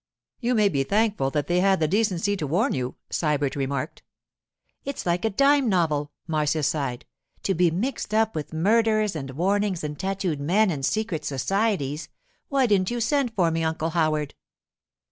'You may be thankful that they had the decency to warn you,' Sybert remarked. 'It's like a dime novel!' Marcia sighed. 'To be mixed up with murders and warnings and tattooed men and secret societies——Why didn't you send for me, Uncle Howard?